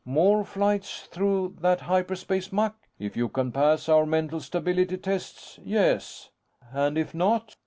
More flights through that hyperspace muck?" "If you can pass our mental stability tests, yes." "And if not?"